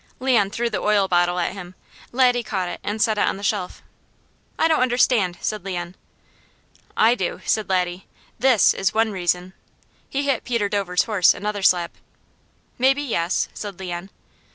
Leon threw the oil bottle at him. Laddie caught it and set it on the shelf. "I don't understand," said Leon. "I do," said Laddie dryly. "THIS is one reason." He hit Peter Dover's horse another slap. "Maybe yes," said Leon.